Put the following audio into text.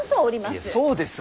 いやそうですが。